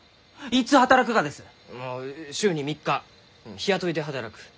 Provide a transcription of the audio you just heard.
あ週に３日日雇いで働く。